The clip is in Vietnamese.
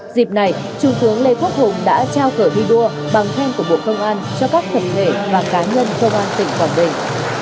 dịp này trung tướng lê quốc hùng đã trao cờ thi đua bằng khen của bộ công an cho các tập thể và cá nhân công an tỉnh quảng bình